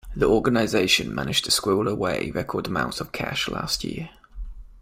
The organisation managed to squirrel away record amounts of cash last year.